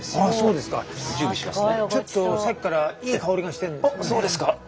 あっそうですか。